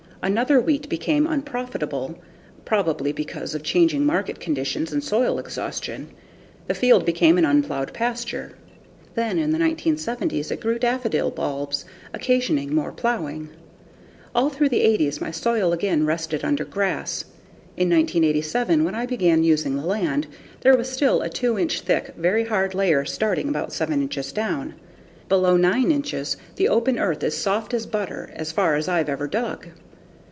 After wheat became unprofitable, probably because of changing market conditions and soil exhaustion, the field became an unplowed pasture. Then in the 1970s it grew daffodil bulbs, occasioning more plowing. All through the '80s my soil again rested under grass. In 1987, when I began using the land, there was still a 2 inch thick, very hard layer starting about 7 inches down. Below 9 inches the open earth is soft as butter as far as I've ever dug.